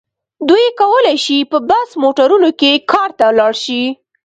دوی کولای شي په بس موټرونو کې کار ته لاړ شي.